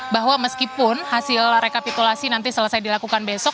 bahwa meskipun hasil rekapitulasi nanti selesai dilakukan besok